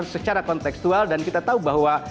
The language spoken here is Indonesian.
secara konteksual dan kita tahu bahwa